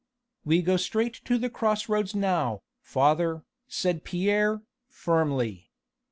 "We go straight to the cross roads now, father," said Pierre, firmly.